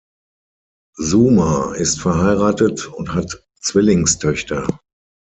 Zuma ist verheiratet und hat Zwillingstöchter.